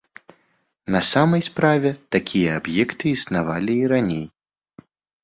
На самай справе, такія аб'екты існавалі і раней.